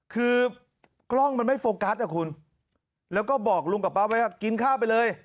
คือกล้องมันไม่โฟกัสนะคุณแล้วก็บอกลุงกับป้าไว้ว่ากินข้าวไปเลย